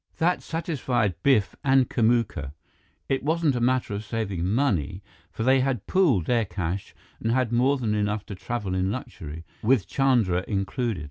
That satisfied Biff and Kamuka. It wasn't a matter of saving money, for they had pooled their cash and had more than enough to travel in luxury, with Chandra included.